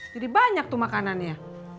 jadi banyak tuh makanan iya